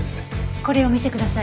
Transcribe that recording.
これを見てください。